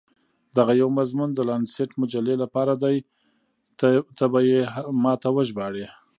دغه یو مضمون د لانسیټ مجلې لپاره دی، ته به يې ما ته وژباړې.